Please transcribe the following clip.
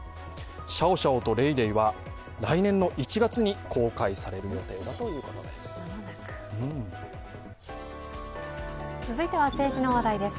シャオシャオとレイレイは来年の１月に公開される予定だということです。